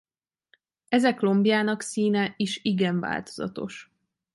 Ezek lombjának színe is igen változatos.